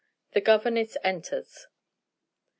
The Governess Enters. Mr.